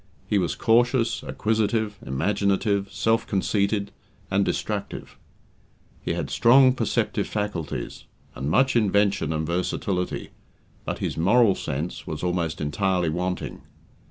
He was cautious, acquisitive, imaginative, self conceited, and destructive. He had strong perceptive faculties, and much invention and versatility, but his "moral sense" was almost entirely wanting.